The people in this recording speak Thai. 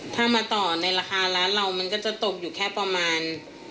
ถ้ามาต่อในราคาร้านเรามันก็จะตกอยู่แค่ประมาณ